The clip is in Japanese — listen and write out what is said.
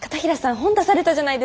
本出されたじゃないですか。